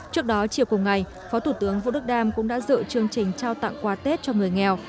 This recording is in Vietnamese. trước đó chiều cùng ngày phó thủ tướng vũ đức đam cũng đã dự chương trình trao tặng quà tết cho người nghèo